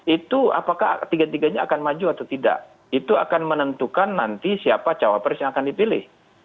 itu apakah tiga tiganya akan maju atau tidak itu akan menentukan nanti siapa cawapres yang akan dipilih